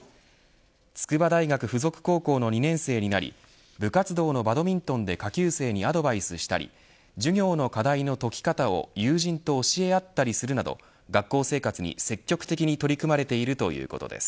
筑波大学附属高校の２年生になり部活動のバドミントンで下級生にアドバイスしたり授業の課題の解き方を友人と教え合ったりするなど学校生活に積極的に取り組まれているということです。